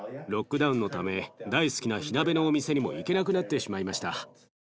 ロックダウンのため大好きな火鍋のお店にも行けなくなってしまいました。